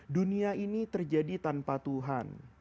dunia ini terjadi tanpa tuhan